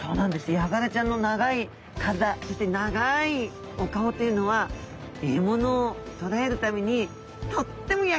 ヤガラちゃんの長い体そして長いお顔というのは獲物を捕らえるためにとっても役立つってことなんですね。